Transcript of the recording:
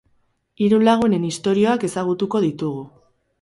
Hiru lagunen istorioak ezagutuko ditugu.